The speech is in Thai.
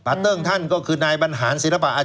เติ้งท่านก็คือนายบรรหารศิลปะอา